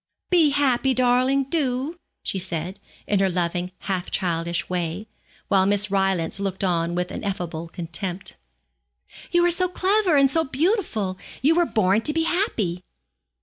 'Be happy, darling, do,' she said, in her loving half childish way, while Miss Rylance looked on with ineffable contempt. 'You are so clever and so beautiful; you were born to be happy.'